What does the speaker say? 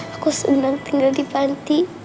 aku seundang tinggal di panti